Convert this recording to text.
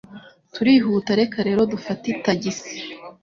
Turihuta, reka rero dufate tagisi.